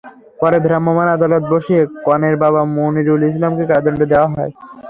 পরে ভ্রাম্যমাণ আদালত বসিয়ে কনের বাবা মুনিরুল ইসলামকে কারাদণ্ড দেওয়া হয়।